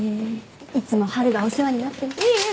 いつも春がお世話になってます。